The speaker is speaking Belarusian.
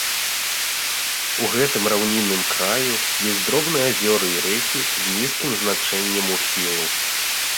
У гэтым раўнінным краю ёсць дробныя азёры і рэкі з нізкім значэннем ухілу.